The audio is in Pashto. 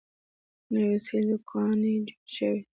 نوې سیلوګانې جوړې شي.